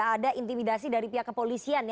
ada intimidasi dari pihak kepolisian